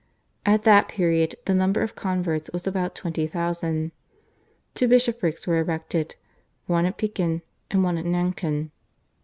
At that period the number of converts was about twenty thousand. Two bishoprics were erected, one at Pekin and one at Nankin.